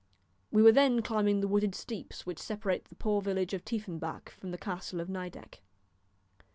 We were then climbing the wooded steeps which separate the poor village of Tiefenbach from the Castle of Nideck.